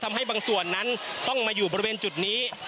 ทำให้บางส่วนนั้นต้องมาอยู่บริเวณจุดนี้